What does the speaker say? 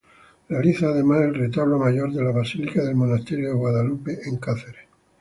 Realiza además el retablo mayor de la basílica del monasterio de Guadalupe en Cáceres.